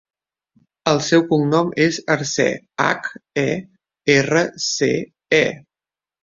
El seu cognom és Herce: hac, e, erra, ce, e.